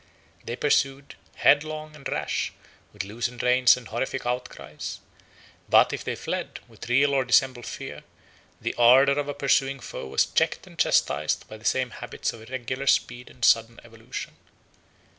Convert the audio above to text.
They pursued, headlong and rash, with loosened reins and horrific outcries; but, if they fled, with real or dissembled fear, the ardor of a pursuing foe was checked and chastised by the same habits of irregular speed and sudden evolution.